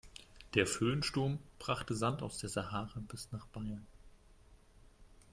Der Föhnsturm brachte Sand aus der Sahara bis nach Bayern.